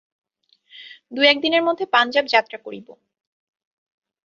দু-এক দিনের মধ্যে পাঞ্জাব যাত্রা করিব।